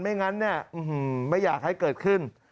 ไม่งั้นเนี่ยไม่อยากให้เกิดขึ้น